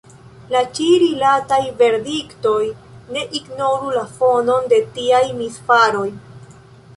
La ĉi-rilataj verdiktoj ne ignoru la fonon de tiaj misfaroj.